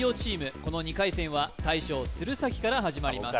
この２回戦は大将鶴崎から始まります